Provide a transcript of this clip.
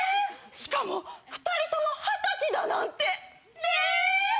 しかも２人とも二十歳だなんて。ねぇ！